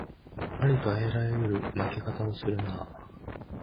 ありとあらゆる負け方をするなあ